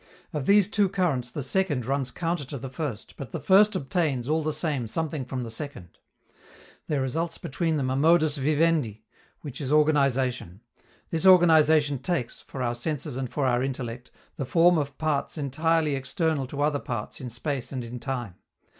Of these two currents the second runs counter to the first, but the first obtains, all the same, something from the second. There results between them a modus vivendi, which is organization. This organization takes, for our senses and for our intellect, the form of parts entirely external to other parts in space and in time.